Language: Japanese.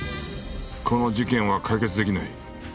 この事件は解決できない。